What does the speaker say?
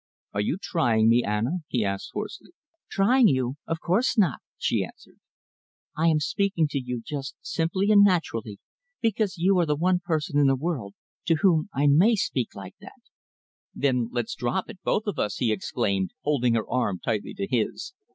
"Are you trying me, Anna?" he asked hoarsely. "Trying you? Of course not!" she answered. "I am speaking to you just simply and naturally, because you are the one person in the world to whom I may speak like that." "Then let's drop it, both of us!" he exclaimed, holding her arm tightly to his.